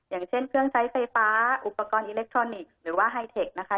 อย่างเช่นเครื่องใช้ไฟฟ้าอุปกรณ์อิเล็กทรอนิกส์หรือว่าไฮเทคนะคะ